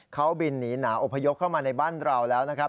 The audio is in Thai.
เค้าบินนีหนาโอประยกต์ให้เข้ามาในบ้านเราแล้วนะครับ